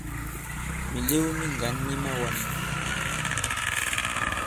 Mìlew mi ŋgǎn mi mawān.